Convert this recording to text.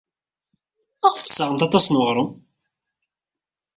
Maɣef ay d-tessaɣemt aṭas n uɣrum?